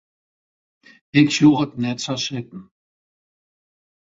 Ik sjoch it net sa sitten.